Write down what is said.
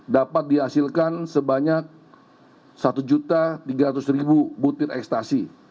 dapat dihasilkan sebanyak satu tiga ratus butir ekstasi